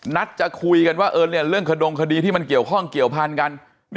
นัดจะคุยกันว่าเรื่องขดงคดีที่มันเกี่ยวข้องเกี่ยวพันธุ์กัน